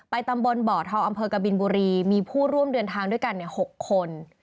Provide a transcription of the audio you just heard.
ตำบลบ่อทองอำเภอกบินบุรีมีผู้ร่วมเดินทางด้วยกัน๖คน